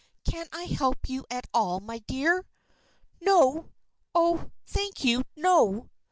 "Can I help you at all, my dear?" "No! Oh, thank you, no!